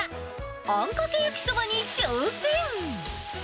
あんかけ焼そばに挑戦。